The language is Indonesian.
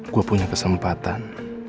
gue punya kesempatan